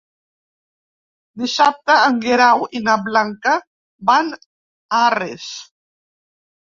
Dissabte en Guerau i na Blanca van a Arres.